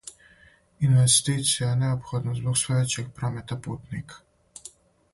Инвестиција је неопходна због све већег промета путника.